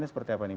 tentang apa ini